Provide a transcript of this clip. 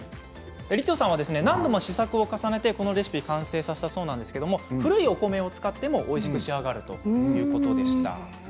リトさんは何度も試作を重ねてこのレシピ完成させたそうなんですけれど、古いお米を使ってもおいしく仕上がるということでした。